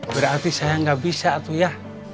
berarti saya nggak bisa tuh ya